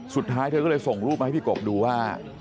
เธอก็เลยส่งรูปมาให้พี่กบดูว่า